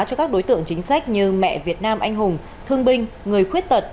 cho các đối tượng chính sách như mẹ việt nam anh hùng thương binh người khuyết tật